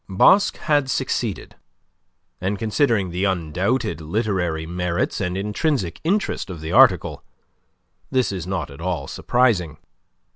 Basque had succeeded, and, considering the undoubted literary merits and intrinsic interest of the article, this is not at all surprising.